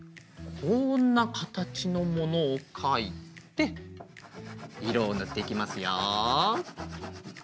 こんなかたちのものをかいていろをぬっていきますよ。